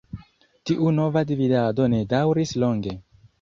Tiu nova dividado ne daŭris longe.